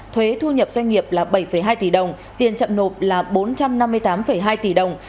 thuế thu nhập doanh nghiệp là bảy hai tỷ đồng tiền chậm nộp là bốn trăm năm mươi tám hai tỷ đồng